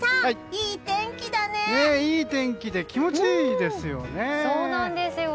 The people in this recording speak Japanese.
いい天気で気持ちいいですよね。